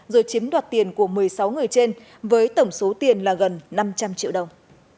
rồi chiếm đoạt tiền của một mươi sáu người trên với tổng số tiền là gần năm trăm linh triệu đồng